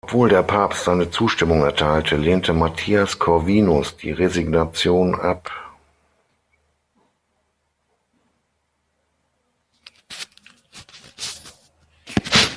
Obwohl der Papst seine Zustimmung erteilte, lehnte Matthias Corvinus die Resignation ab.